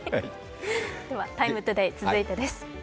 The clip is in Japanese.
「ＴＩＭＥ，ＴＯＤＡＹ」続いてです。